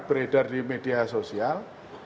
beredar di media sosial